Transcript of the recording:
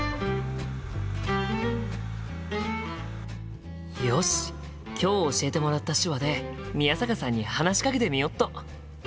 心の声よし今日教えてもらった手話で宮坂さんに話しかけてみよっと！